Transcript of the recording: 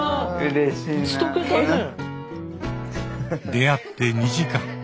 出会って２時間。